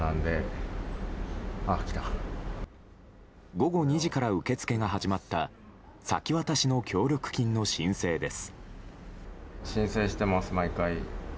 午後２時から受け付けが始まった先渡しの協力金の申請です。